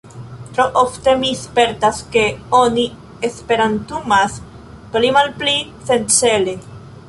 Tro ofte, mi spertas ke oni esperantumas pli-malpli sencele.